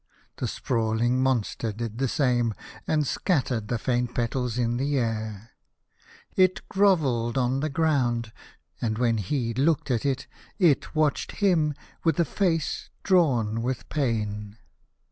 The sprawling monster did the same, and scattered the faint petals in the air. It grovelled on the ground, and, when he looked at it, it watched him with a face drawn with pain.